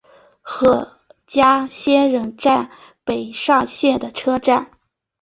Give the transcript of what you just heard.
和贺仙人站北上线的车站。